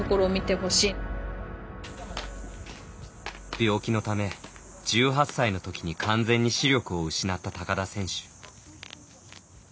病気のため１８歳のときに完全に視力を失った高田選手。